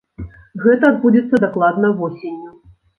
Гэта адбудзецца дакладна восенню.